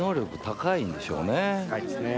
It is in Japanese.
高いですね。